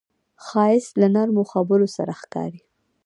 ښایست له نرمو خبرو سره ښکاري